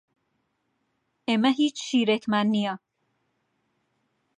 ئێمە هیچ شیرێکمان نییە.